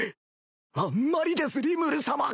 あんまりですリムル様！